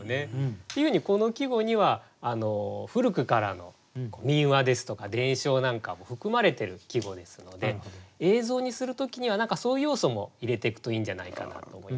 っていうふうにこの季語には古くからの民話ですとか伝承なんかも含まれてる季語ですので映像にする時には何かそういう要素も入れていくといいんじゃないかなと思います。